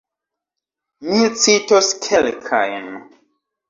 Mi citos kelkajn.